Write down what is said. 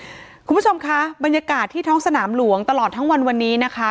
คุณผู้ชมคะบรรยากาศที่ท้องสนามหลวงตลอดทั้งวันวันนี้นะคะ